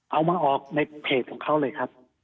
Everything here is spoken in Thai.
เอามาออกในเพจของเขาเลยครับ